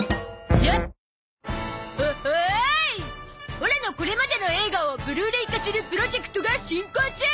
オラのこれまでの映画をブルーレイ化するプロジェクトが進行中